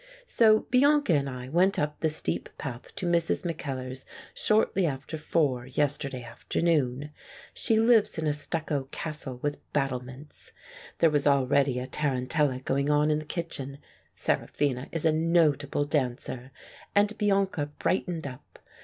So Bianca and I went up the steep path to Mrs. Mackellar's shortly after four yesterday afternoon. She lives in a stucco castle with battlements. There was already a tarantella going on in the kitchen — Seraphina is a notable dancer — and Bianca brightened up.